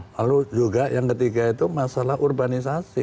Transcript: lalu juga yang ketiga itu masalah urbanisasi